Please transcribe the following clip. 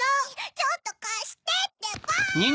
ちょっとかしてってば！